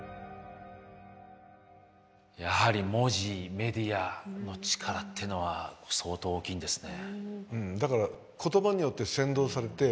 やはり文字メディアの力ってのは相当大きいんですね。